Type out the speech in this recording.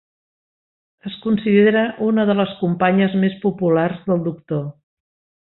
Es considera una de les companyes més populars del Doctor.